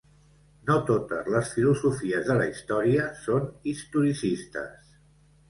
No totes les filosofies de la història són historicistes.